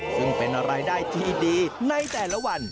ซึ่งเป็นรายได้ที่ดีในแต่ละวัน